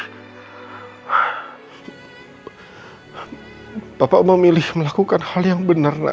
tapi papa memilih melakukan hal yang benar nak